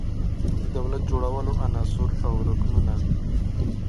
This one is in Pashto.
د دولت جوړولو عناصر او رکنونه